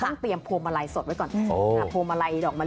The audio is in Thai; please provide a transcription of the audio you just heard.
อย่างแรกเลยก็คือการทำบุญเกี่ยวกับเรื่องของพวกการเงินโชคลาภ